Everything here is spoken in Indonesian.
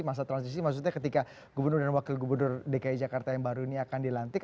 masa transisi maksudnya ketika gubernur dan wakil gubernur dki jakarta yang baru ini akan dilantik